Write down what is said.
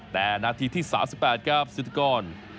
แต่นาทีที่๓๘ครับสิทธิกร